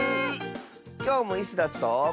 きょうもイスダスと。